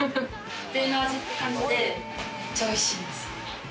家庭の味って感じで、めっちゃおいしいです。